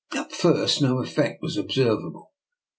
At first no effect was observable.